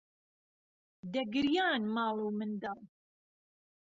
دهگریان ماڵ و منداڵ